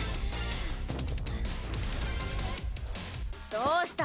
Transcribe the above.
どうした？